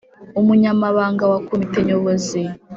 Umunyamabanga wa comite nyobozi